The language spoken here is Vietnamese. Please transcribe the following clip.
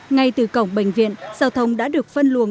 ngay từ cổng bệnh viện giao thông đã được phân luồng